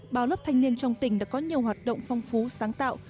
báo lớp thanh niên trong tỉnh đã có nhiều hoạt động phong phú sáng tạo